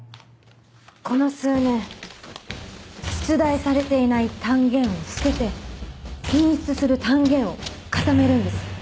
この数年出題されていない単元を捨てて頻出する単元を固めるんです。